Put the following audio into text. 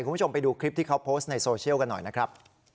คุณผู้ชมไปดูคลิปที่เขาโพสต์ในโซเชียลกันหน่อยนะครับ